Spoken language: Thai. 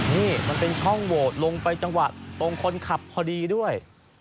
นี่มันเป็นช่องโหวตลงไปจังหวะตรงคนขับพอดีด้วย